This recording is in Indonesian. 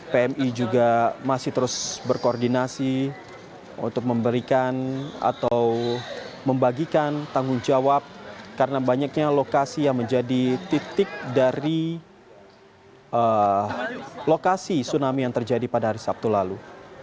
pmi juga masih terus berkoordinasi untuk memberikan atau membagikan tanggung jawab karena banyaknya lokasi yang menjadi titik dari lokasi tsunami yang terjadi pada hari sabtu lalu